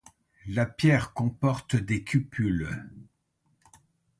La pierre comporte des cupules.